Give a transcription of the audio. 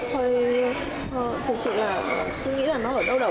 thật sự là tôi nghĩ là nó ở đâu đâu đâu đâu